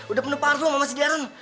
udah penuh paruh sama si dharon